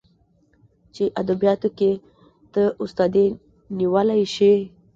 چې ادبياتو کې ته استادي نيولى شې.